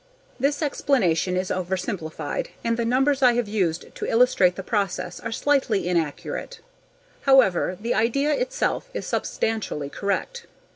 This explanation is oversimplified and the numbers I have used to illustrate the process are slightly inaccurate, however the idea itself is substantially correct.